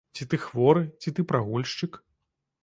Ці ты хворы, ці ты прагульшчык?